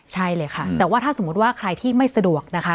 ใช่เลยค่ะแต่ว่าถ้าสมมุติว่าใครที่ไม่สะดวกนะคะ